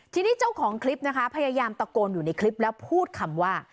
ทีนี้เจ้าของคลิปนะคะพยายามตะโกนอยู่ในคลิปแล้วพูดคำว่า